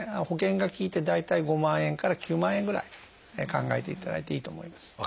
保険が利いて大体５万円から９万円ぐらい考えていただいていいと思います。